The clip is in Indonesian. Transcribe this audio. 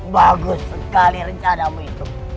bagus sekali rencana itu